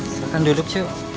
silahkan duduk cuk